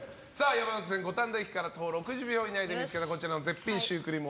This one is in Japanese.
山手線五反田駅から徒歩６０秒以内でつける絶品シュークリーム。